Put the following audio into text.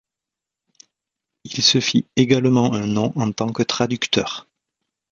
Il se fit également un nom en tant que traducteur.